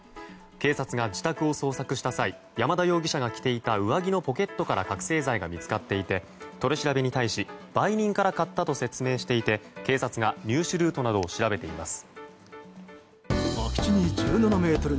警察が自宅を捜索した際山田容疑者が着ていた上着のポケットから覚醒剤が見つかっていて取り調べに対し売人から買ったと説明していて警察が入手ルートなどを調べています。